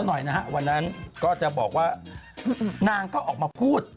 นะวันนั้นก็จะบอกว่านางก็ออกมาพูด